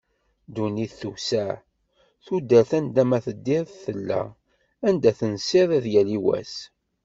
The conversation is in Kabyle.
Ddunit tewseɛ, tudert anda ma teddiḍ tella, anda tensiḍ ad yali wass.